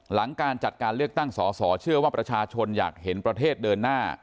หลังการจัดการเลือกตั้งสอสอเชื่อว่าประชาชนอยากเห็นประเทศเดินหน้า